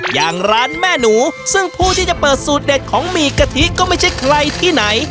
อย่างร้านแม่หนูซึ่งผู้ที่จะเปิดสูตรเด็ดของหมี่กะทิก็ไม่ใช่ใครที่ไหน